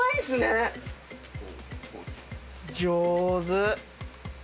上手。